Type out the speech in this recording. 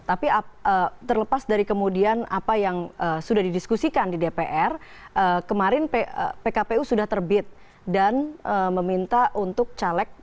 tapi terlepas dari kemudian apa yang sudah didiskusikan di dpr kemarin pkpu sudah terbit dan meminta untuk caleg